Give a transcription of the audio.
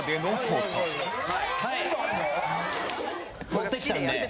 持ってきたんで。